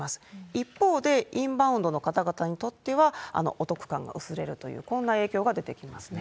一方で、インバウンドの方々にとってはお得感が薄れるという、こんな影響が出てきますね。